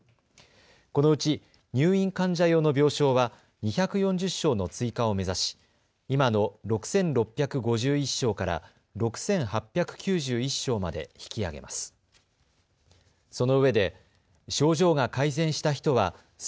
このうち入院患者用の病床は２４０床の追加を目指し今の６６５１床から６８９１床まで引き上げます。